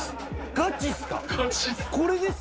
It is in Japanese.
ガチっす。